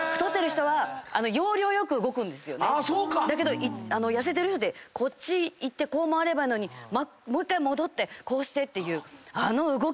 だけど痩せてる人ってこっち行ってこう回ればいいのにもう１回戻ってこうしてっていう。